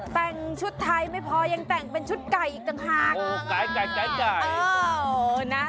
แต่งชุดไทยไม่พอยังแต่งเป็นชุดไก่อีกต่างหาก